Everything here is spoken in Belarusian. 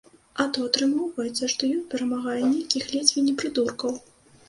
А то атрымоўваецца, што ён перамагае нейкіх ледзьве не прыдуркаў.